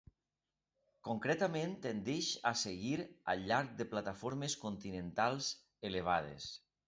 Concretament, tendeix a seguir al llarg de plataformes continentals elevades.